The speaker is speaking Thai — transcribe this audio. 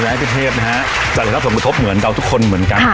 ภายในอินทศเทพฯนะฮะจากศักดิ์ทัศน์ประทบเหมือนเราทุกคนเหมือนกัน